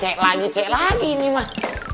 cek lagi cek lagi ini mah